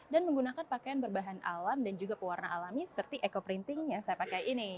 menggunakan pakaian berbahan alam dan juga pewarna alami seperti eco printing yang saya pakai ini